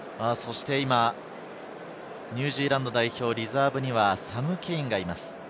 ニュージーランド代表、リザーブにはサム・ケインがいます。